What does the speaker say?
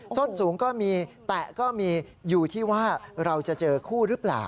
ส้นสูงก็มีแต่ก็มีอยู่ที่ว่าเราจะเจอคู่หรือเปล่า